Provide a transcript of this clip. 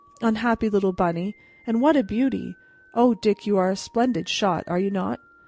"Unhappy little bunny and what a beauty! O Dick, you are a splendid shot, are you not?"